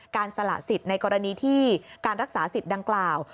สละสิทธิ์ในกรณีที่การรักษาสิทธิ์ดังกล่าว